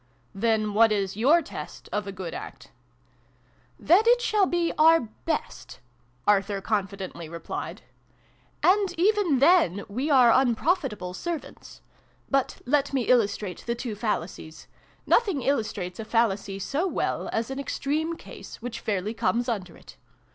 " Then what is your test of a good act ?"" That it shall be our best'' Arthur con fidently replied. " And even then ' we are unprofitable servants.' But let me illustrate the two fallacies. Nothing illustrates a fal lacy so well as an extreme case, which fairly comes under it.